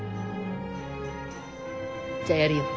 じゃあやるよ。